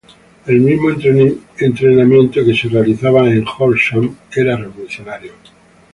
El mismo entrenamiento que se realizaba en Horsham era revolucionario.